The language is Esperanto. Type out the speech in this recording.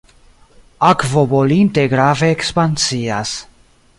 Akvo bolinte grave ekspansias.